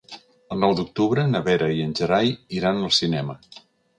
El nou d'octubre na Vera i en Gerai iran al cinema.